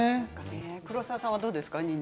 黒沢さんはどうですか？